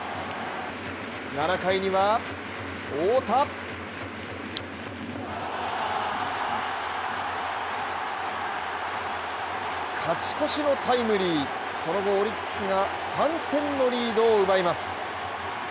７回には太田勝ち越しのタイムリー、その後オリックスが３点のリードを奪います。